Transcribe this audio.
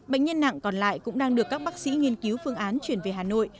bệnh nhân nặng còn lại cũng đang được các bác sĩ nghiên cứu phương án chuyển về hà nội